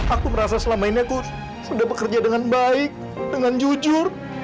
aku merasa selama ini aku sudah bekerja dengan baik dengan jujur